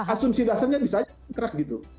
asumsi dasarnya bisa aja interak gitu